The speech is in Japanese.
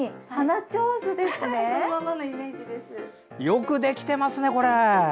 よくできてますね、これ。